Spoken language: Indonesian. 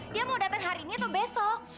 dia mau dapat hari ini atau besok